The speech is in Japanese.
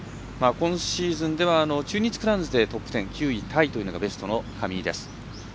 今シーズンでは中日クラウンズでトップ１０、９位タイというのがベストの上井です。